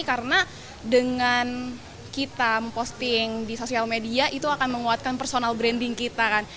karena dengan kita memposting di sosial media itu akan menguatkan personal branding kita kan